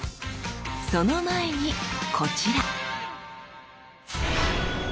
その前にこちら。